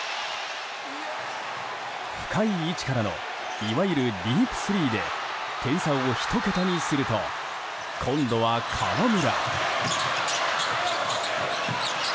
深い位置からのいわゆるディープスリーで点差を１桁にすると今度は河村。